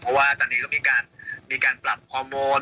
เพราะว่าตอนนี้ก็มีการปรับคอมมณ์